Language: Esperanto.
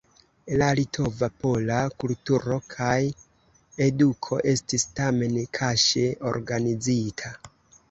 La Litova-Pola kulturo kaj eduko estis tamen kaŝe organizita.